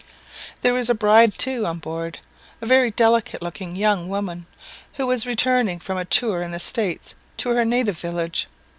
There was a bride, too, on board a very delicate looking young woman, who was returning from a tour in the States to her native village.